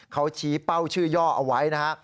เขาชี้เป้าชื่อย่อเอาไว้นะฮะ